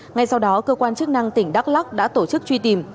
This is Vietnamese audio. ngay sau đó cơ quan chức năng tỉnh đắk lắc đã tổ chức truy tìm